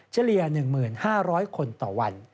เฉลี่ย๑๕๐๐คนต่อวัน